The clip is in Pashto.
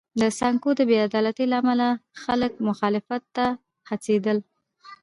د سانکو د بې عدالتۍ له امله خلک مخالفت ته هڅېدل.